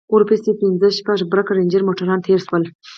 ورپسې پنځه شپږ برگ رېنجر موټران تېر سول.